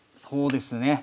そうですね。